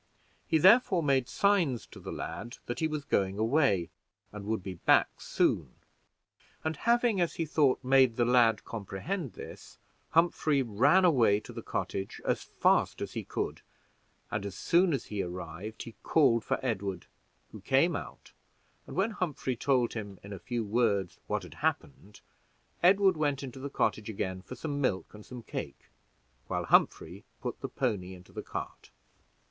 He, therefore, made signs to the lad that he was going away, and would be back soon; and having, as he thought, made the lad comprehend this, Humphrey ran away to the cottage as fast as he could; and as soon as he arrived he called for Edward, who came out, and when Humphrey told him in few words what had happened, Edward went into the cottage again for some milk and some cake, while Humphrey put the pony into the cart.